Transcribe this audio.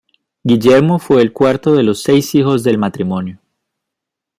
Guillermo fue el cuarto de los seis hijos del matrimonio.